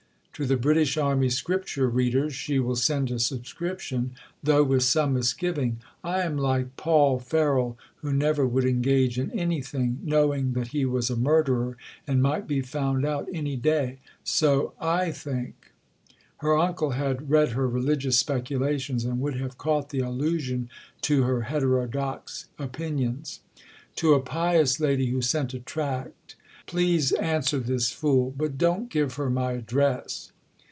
To the British Army Scripture Readers she will send a subscription, though with some misgiving: "I am like Paul Ferroll, who never would engage in anything, knowing that he was a murderer, and might be found out any day. So I think." Her uncle had read her religious speculations, and would have caught the allusion to her heterodox opinions. To a pious lady who sent a tract: "Please answer this fool, but don't give her my address."